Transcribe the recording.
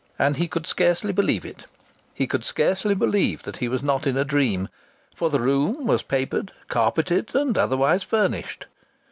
And he could scarcely believe it he could scarcely believe that he was not in a dream for the room was papered, carpeted and otherwise furnished.